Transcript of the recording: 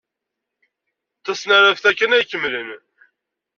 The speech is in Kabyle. D tasnareft-a kan ara ikemmlen.